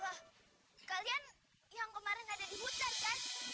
wah kalian yang kemarin ada di muter kan